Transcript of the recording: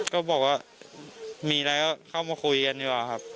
ก็บอกว่ามีอะไรก็เข้ามาคุยกันดีกว่าครับ